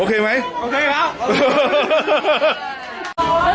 โอเคไหมโอเคแล้ว